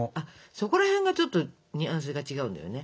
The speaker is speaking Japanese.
そこらへんがちょっとニュアンスが違うんだよね。